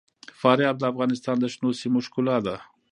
فاریاب د افغانستان د شنو سیمو ښکلا ده.